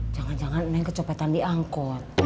jangan jangan naik kecopetan diangkut